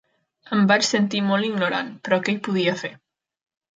Em vaig sentir molt ignorant, però què hi podia fer?